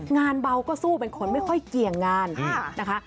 งานเบาก็สู้เป็นคนไม่ค่อยเกี่ยงงานนะคะ